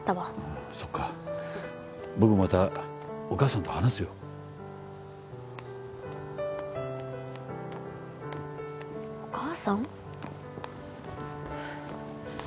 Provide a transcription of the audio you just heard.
あそっか僕もまたお母さんと話すよお母さん？